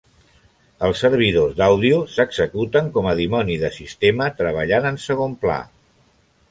Els servidors d'àudio s'executen com a dimoni de sistema treballant en segon pla.